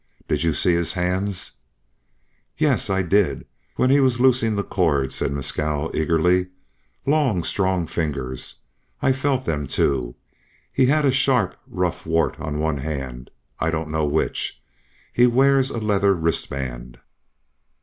Did you see his hands?" "Yes, I did when he was loosing the cords," said Mescal, eagerly. "Long, strong fingers. I felt them too. He has a sharp rough wart on one hand, I don't know which. He wears a leather wristband."